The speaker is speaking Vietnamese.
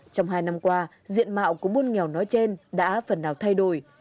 trong hai năm qua diện mạo của buôn nghèo nói trên đã phần nào thay đổi